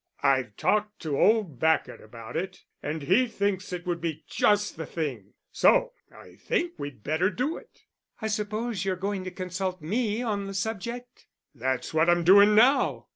"I've talked to old Bacot about it and he thinks it would be just the thing; so I think we'd better do it." "I suppose you're going to consult me on the subject." "That's what I'm doing now."